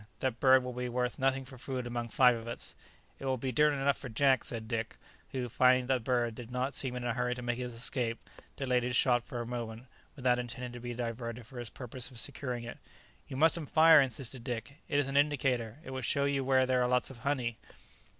that bird will be worth nothing for food among five of us." "It will be dinner enough for Jack," said Dick, who, finding that the bird did not seem in a hurry to make its escape, delayed his shot for a moment, without intending to be diverted from his purpose of securing it. "You mustn't fire," insisted Benedict, "it is an indicator; it will show you where there are lots of honey."